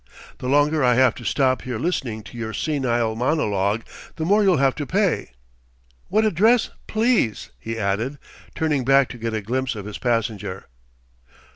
"The longer I have to stop here listening to your senile monologue, the more you'll have to pay. What address, please?" he added, turning back to get a glimpse of his passenger.